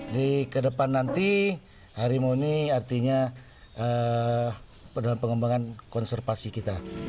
di kedepan nanti harimau ini artinya dalam pengembangan konservasi kita